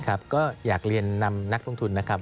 ก็อยากเรียนนำนักลงทุนนะครับ